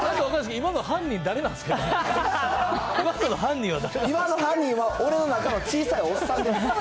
今の犯人は、俺の中の小さいおっさんです。